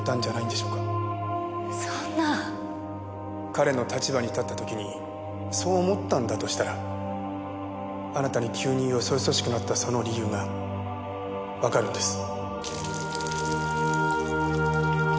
彼の立場に立った時にそう思ったんだとしたらあなたに急によそよそしくなったその理由がわかるんです。